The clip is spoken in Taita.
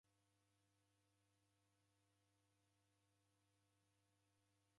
Waw'edaika kila kilambo ujhagha